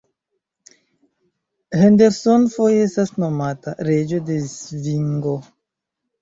Henderson foje estas nomata „Reĝo de svingo“.